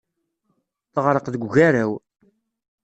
Teɣreq deg ugaraw.